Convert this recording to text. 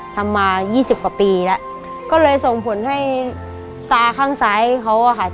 ทำมา๒๐กว่าปีแล้วก็เลยส่งผลให้สระข้างซ้ายเค้าค่ะ